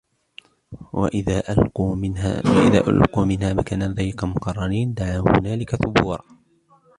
وإذا ألقوا منها مكانا ضيقا مقرنين دعوا هنالك ثبورا